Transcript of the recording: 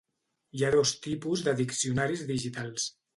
Hi ha dos tipus de diccionaris digitals.